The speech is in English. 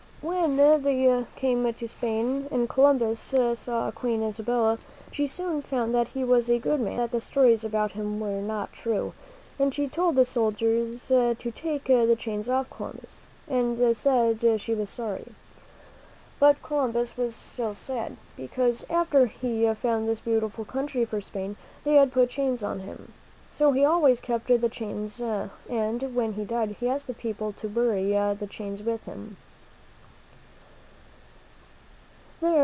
When they came to Spain and Columbus saw Queen Isabella, she soon found that he was a good man and that the stories about him were not true, and she told the soldiers to take the chains off Columbus, and said she was sorry. But Columbus was still sad, because after he had found this beautiful country for Spain, they had put chains on him. So he always kept the chains, and when he died, he asked the people to bury the chains with him.